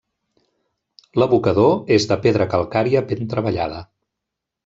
L'abocador és de pedra calcària ben treballada.